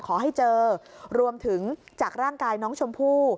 ขอให้เจอรวมถึงจากร่างกายน้องชมพู่